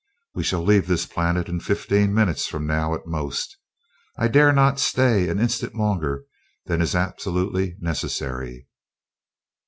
We shall leave this planet in fifteen minutes from now at most I dare not stay an instant longer than is absolutely necessary."